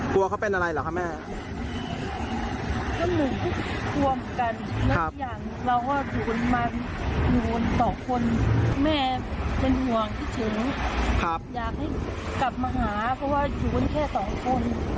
แม่เป็นห่วงสิชิมอยากให้กลับมาหาเพราะว่ามีคนแค่๒คน